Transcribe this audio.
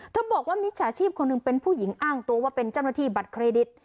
บอกว่ามิจฉาชีพคนหนึ่งเป็นผู้หญิงอ้างตัวว่าเป็นเจ้าหน้าที่บัตรเครดิต